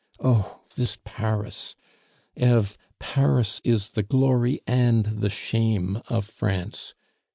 Oh, this Paris! Eve, Paris is the glory and the shame of France.